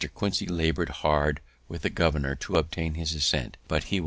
Quincy labored hard with the governor to obtain his assent, but he was obstinate.